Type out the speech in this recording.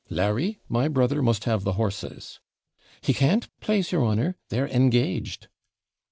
'Larry, my brother must have the horses.' 'He can't, PLASE your honour they're engaged.'